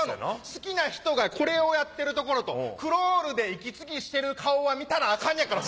好きな人がこれをやってるところとクロールで息継ぎしてる顔は見たらあかんねやから。